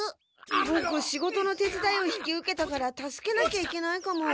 ボク仕事の手伝いを引き受けたから助けなきゃいけないかも。